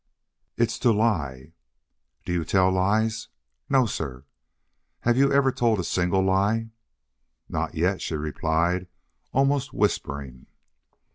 "It's to lie." "Do you tell lies?" "No, sir." "Have you ever told a single lie?" "Not yet," she replied, almost whispering.